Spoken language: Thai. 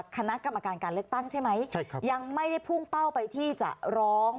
คณะกรรมการการเลือกตั้งใช่ไหมใช่ครับยังไม่ได้พุ่งเป้าไปที่จะร้อง